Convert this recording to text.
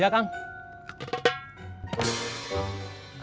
ya pada silam